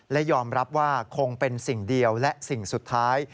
และยอมรับว่าคงเป็นสิ่งเดียวและสิ่งสุดท้าย